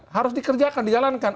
harus dikerjakan dijalankan